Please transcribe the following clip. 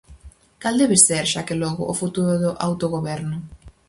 Cal debe ser, xa que logo, o futuro do autogoberno?